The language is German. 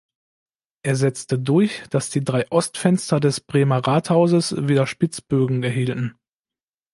Er setzte durch, dass die drei Ostfenster des Bremer Rathauses wieder Spitzbögen erhielten.